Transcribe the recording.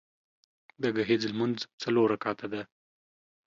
د ګهیځ لمونځ څلور رکعته ده